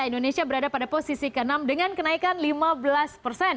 indonesia berada pada posisi ke enam dengan kenaikan lima belas persen